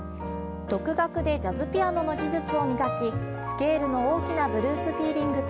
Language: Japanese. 独学でジャズピアノの技術を磨きスケールの大きなブルースフィーリングと